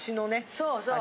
そうそう。